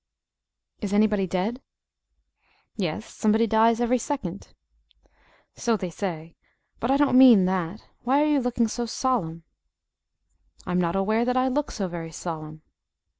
"IS any body dead?" "Yes, somebody dies every second." "So they say. But I don't mean that. Why are you looking so solemn?" "I am not aware that I look so very solemn."